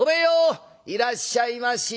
「いらっしゃいまし。